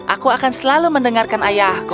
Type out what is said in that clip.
aku akan selalu mendengarkan ayahku